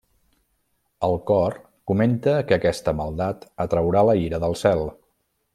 El cor comenta que aquesta maldat atraurà la ira del cel.